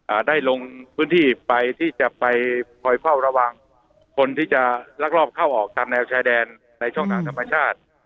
ได้ลงพื้นที่ไปที่จะไปคอยเฝ้าระวังคนที่จะลักลอบเข้าออกตามแนวชายแดนในช่องทางธรรมชาติ